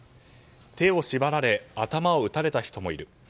手を縛られ頭を撃たれた人もいる。